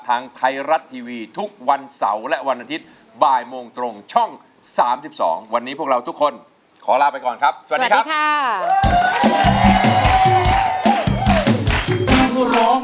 ทางไทยรัฐทีวีทุกวันเสาร์และวันอาทิตย์บ่ายโมงตรงช่อง๓๒วันนี้พวกเราทุกคนขอลาไปก่อนครับสวัสดีครับ